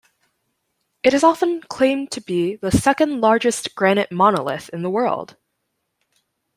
It is often claimed to be the "second largest granite monolith in the world".